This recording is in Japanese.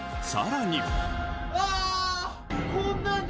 さらに。